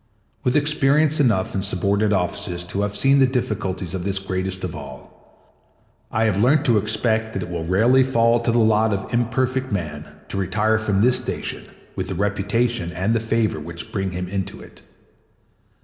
With experience enough in subordinate offices to have seen the difficulties of this the greatest of all, I have learnt to expect that it will rarely fall to the lot of imperfect man to retire from this station with the reputation and the favor which bring him into it.